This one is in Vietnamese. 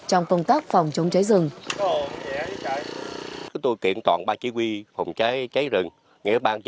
trong công tác phòng chống cháy rừng